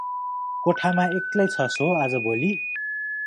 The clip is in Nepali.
कोठामा एक्लै छस् हो अाजभोलि?